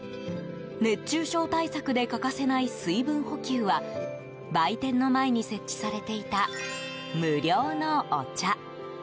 熱中症対策で欠かせない水分補給は売店の前に設置されていた無料のお茶。